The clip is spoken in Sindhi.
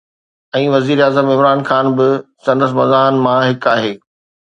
۽ وزيراعظم عمران خان به سندس مداحن مان هڪ آهي